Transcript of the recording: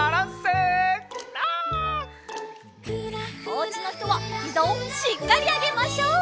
おうちのひとはひざをしっかりあげましょう！